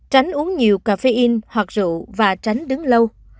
tránh uống nhiều caffeine hoặc rượu và tránh đứng lâu